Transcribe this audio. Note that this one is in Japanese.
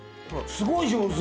すごい上手。